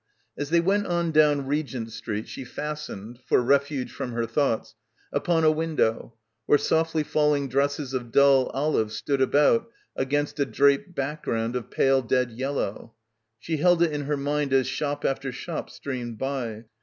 As they went on down Regent Street she fas tened, for refuge from her thoughts, upon a win dow where softly falling dresses of dull olive stood about against a draped background of pale dead yellow. She held it in her mind as shop after shop streamed by.